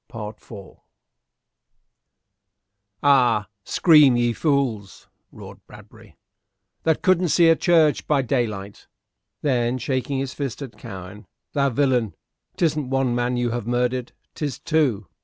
CHAPTER IV "Ay, scream, ye fools," roared Bradbury, "that couldn't see a church by daylight." Then, shaking his fist at Cowen, "Thou villain! 'Tisn't one man you have murdered, 'tis two.